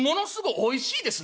「おいしいですね？